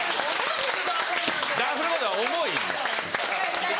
ダッフルコートは重い。